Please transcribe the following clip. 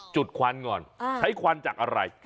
ควันก่อนใช้ควันจากอะไร